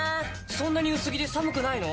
そんなに薄着で寒くないの？